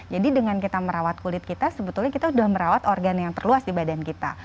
jadi dengan kita merawat kulit kita sebetulnya kita sudah merawat organ yang terluas di badan kita